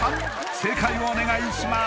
正解をお願いします